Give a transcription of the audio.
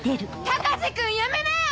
・高瀬君やめなよ！